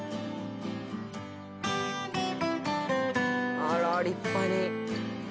あら立派に。